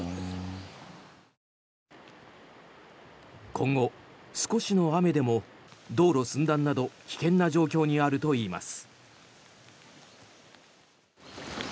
今後、少しの雨でも道路寸断など危険な状況にあるといいます。